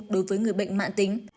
đối với người bệnh mạng tính